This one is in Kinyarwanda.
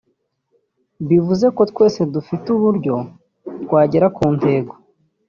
Bivuze ko twese dufite uburyo twagera ku ntego